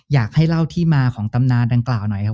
อยากให้เล่าที่มาของตำนานดังกล่าวหน่อยครับ